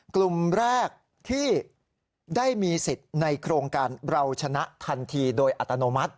กลุ่มแรกที่ได้มีสิทธิ์ในโครงการเราชนะทันทีโดยอัตโนมัติ